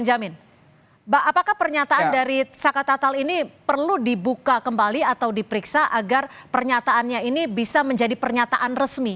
apakah pernyataan dari saka tatal ini perlu dibuka kembali atau diperiksa agar pernyataannya ini bisa menjadi pernyataan resmi